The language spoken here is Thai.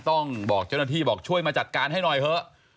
บอกเจ้าหน้าที่บอกช่วยมาจัดการให้หน่อยเถอะ